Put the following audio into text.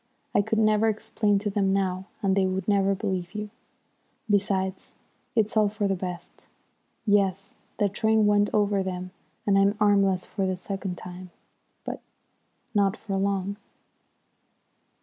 I could never explain to them now, and they would never believe you. Besides, it's all for the best. Yes, the train went over them and I'm armless for the second time. But not for long!"